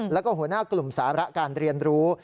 แล้วก็หัวหน้ากลุ่มสาระการเรียนรู้